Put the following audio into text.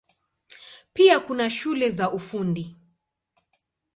Pia kuna shule za Ufundi.